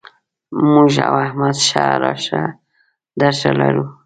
موږ او احمد ښه راشه درشه لرو.